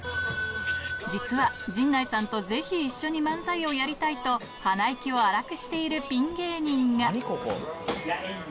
実は、陣内さんとぜひ一緒に漫才をやりたいと、鼻息を荒くしているピン芸人が。